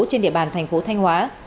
trên địa bàn thành phố thanh hóa